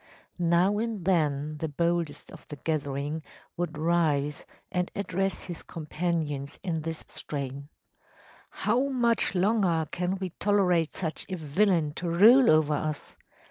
Now and then the boldest of the gathering would rise and address his companions in this strain: “How much longer can we tolerate such a villain to rule over us?